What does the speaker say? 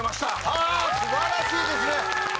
ああー素晴らしいですね！